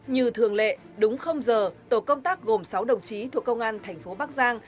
như thường lệ đúng giờ tổ công tác gồm sáu đồng chí thuộc công an thành phố bắc giang